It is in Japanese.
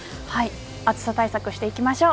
暑さ対策していきましょう。